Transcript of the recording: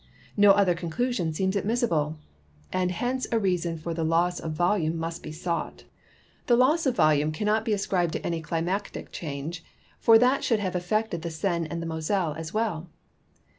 No other conclusion seems admissible; and hence a reason for the loss of volume must be sought. (See Plates XXIII and XXIV.) The loss of volume cannot be ascribed to any climatic change, for that should have affected the Seine and Moselle as well.